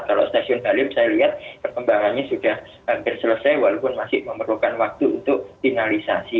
kalau stasiun halim saya lihat perkembangannya sudah hampir selesai walaupun masih memerlukan waktu untuk finalisasi